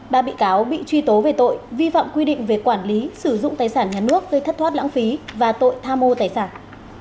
ba bị cáo bị truy tố về tội vi phạm quy định về quản lý sử dụng tài sản nhà nước gây thất thoát lãng phí và tội tham mô tài sản